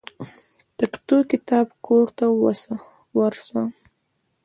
تکتو کتاب کور ته ورسه.